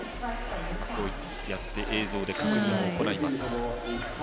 こうやって映像で確認を行います。